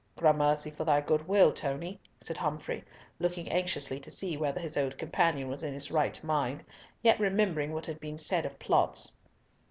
"Gramercy for thy good will, Tony," said Humfrey, looking anxiously to see whether his old companion was in his right mind, yet remembering what had been said of plots.